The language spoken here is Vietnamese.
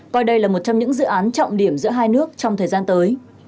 coi đây là một trong những dự án trọng điểm giữa hai nước trong thời gian tới